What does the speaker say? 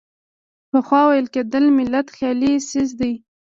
پخوا ویل کېدل ملت خیالي څیز دی.